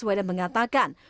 sesuai dengan mengatakan